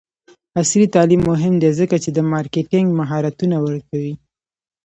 عصري تعلیم مهم دی ځکه چې د مارکیټینګ مهارتونه ورکوي.